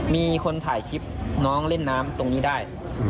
มีคนถ่ายคลิปน้องเล่นน้ำตรงนี้ได้